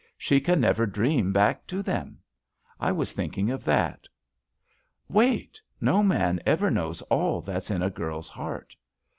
She can never dream back to them. I was thinking of that." "Wait I No man ever knows all that's in JUST SWEETHEARTS a girl's heart.